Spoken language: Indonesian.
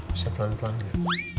bisa pelan pelan ya